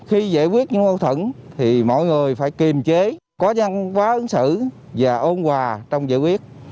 khi giải quyết những vấn đề thì mọi người phải kiềm chế có nhân quá ứng xử và ôn hòa trong giải quyết